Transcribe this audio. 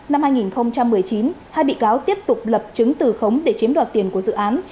năm hai nghìn một mươi chín hai bị cáo tiếp tục lập chứng từ khống để chiếm đoạt tiền của dự án